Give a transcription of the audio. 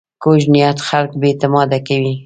کوږ نیت خلک بې اعتماده کوي